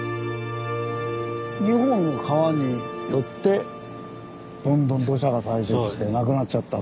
２本の川によってどんどん土砂が堆積してなくなっちゃった。